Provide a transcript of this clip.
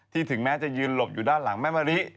ถึงแม้จะยืนหลบอยู่ด้านหลังแม่มะลิ